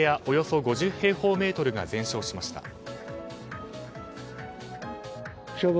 およそ５０平方メートルが全焼しました。